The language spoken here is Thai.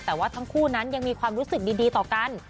แต่ว่าทั้งคู่นั้นยังมีความรู้สึกดีต่อกัน